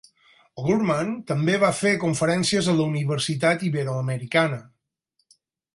O'Gorman també va fer conferències a la Universitat Iberoamericana.